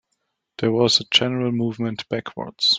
There was a general movement backwards.